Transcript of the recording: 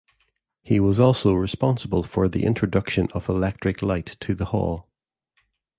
He was also responsible for the introduction of electric light to the hall.